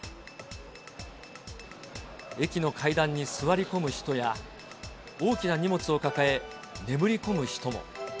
駅の階段に座り込む人や、大きな荷物を抱え、眠り込む人も。